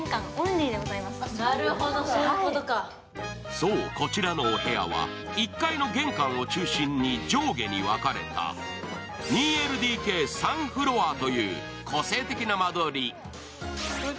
そう、こちらのお部屋は１階の玄関を中心に上下に分かれた２ＬＤＫ３フロアという個性的な間取り。